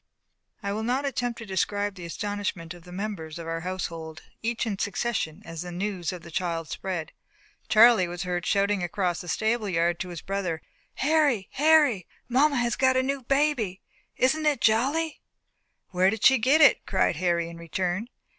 I will not attempt to describe the astonishment of the members of our household, each in succession, as the news of the child spread. Charlie was heard shouting across the stable yard to his brother: "Harry, Harry! Mamma has got a new baby. Isn't it jolly?" "Where did she get it?" cried Harry in return.